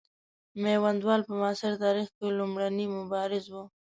میوندوال په معاصر تاریخ کې لومړنی مبارز وو.